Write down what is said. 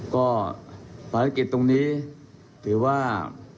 ก็ภารกิจตรงนี้ถือว่า